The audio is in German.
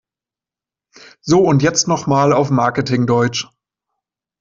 So, und jetzt noch mal auf Marketing-Deutsch!